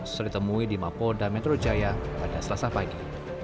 setelah ditemui di mapolda metro jaya pada selasa pagi